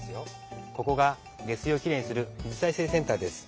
ここが下水をきれいにする水再生センターです。